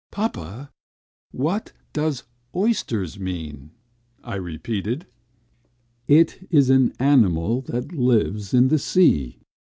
"Papa, what does 'oysters' mean?" I repeated. "It is an animal ... that lives in the sea."